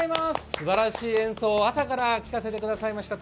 すばらしい演奏を朝から聴かせていただきました。